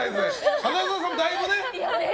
花澤さんもだいぶね。